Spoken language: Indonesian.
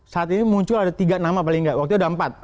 saat ini muncul ada tiga nama paling nggak waktu itu ada empat